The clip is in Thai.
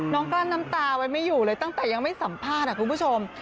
กลั้นน้ำตาไว้ไม่อยู่เลยตั้งแต่ยังไม่สัมภาษณ์คุณผู้ชม